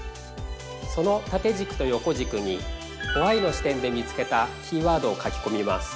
その縦軸と横軸にＷＨＹの視点で見つけたキーワードを書きこみます。